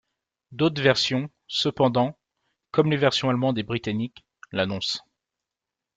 D'autres versions, cependant, comme les versions allemandes et britanniques, l'annoncent.